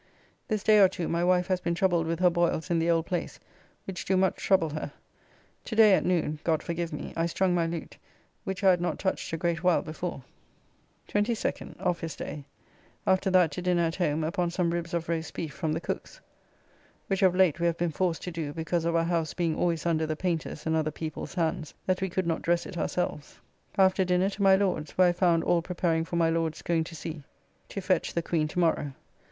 This day or two my wife has been troubled with her boils in the old place, which do much trouble her. Today at noon (God forgive me) I strung my lute, which I had not touched a great while before. 22nd. Office day; after that to dinner at home upon some ribs of roast beef from the Cook's (which of late we have been forced to do because of our house being always under the painters' and other people's hands, that we could not dress it ourselves). After dinner to my Lord's, where I found all preparing for my Lord's going to sea to fetch the Queen tomorrow.